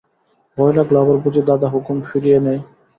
ভয় লাগল আবার বুঝি দাদা হুকুম ফিরিয়ে নেয়।